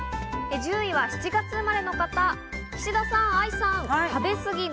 １０位は７月生まれの方、岸田さん、愛さん。